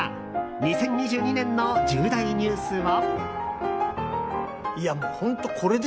２０２２年の重大ニュースは？